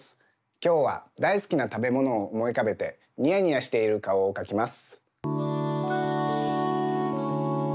きょうはだいすきなたべものをおもいうかべてにやにやしているかおをかきます。